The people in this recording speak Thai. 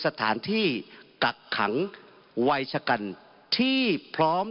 สถานที่กักขังวัยชะกันที่พร้อม